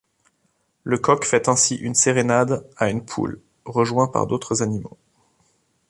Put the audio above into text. Le coq fait ainsi une sérénade à une poule, rejoint par d'autres animaux.